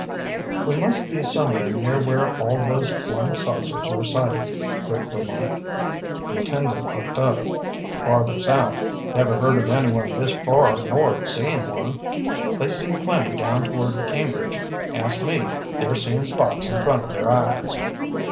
"We must be somewhere near where all those flying saucers were sighted," Rick remarked. The attendant looked up. "Farther south. Never heard of anyone this far north seein' one. They see plenty down toward Cambridge. Ask me, they're seein' spots in front of their eyes."